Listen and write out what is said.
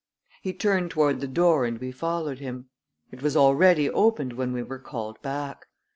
He turned toward the door and we followed him. It was already opened when we were called back.